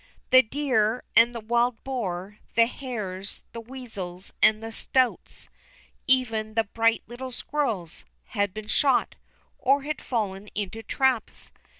The deer, and the wild boar, the hares, the weasels, and the stoats—even the bright little squirrels—had been shot, or had fallen into traps.